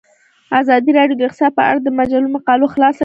ازادي راډیو د اقتصاد په اړه د مجلو مقالو خلاصه کړې.